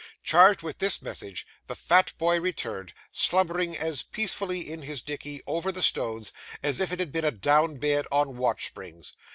Charged with this message, the fat boy returned, slumbering as peaceably in his dickey, over the stones, as if it had been a down bed on watch springs.